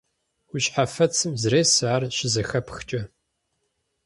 Уи щхьэфэцым зресэ, ар щызэхэпхкӀэ.